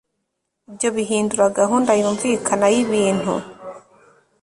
Ibyo bihindura gahunda yumvikana yibintu